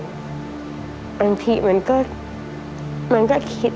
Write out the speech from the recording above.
บางทีมันก็